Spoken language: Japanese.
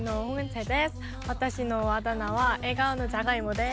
私のあだ名は「笑顔のじゃがいも」です。